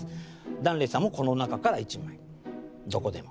檀れいさんもこの中から１枚どこでも。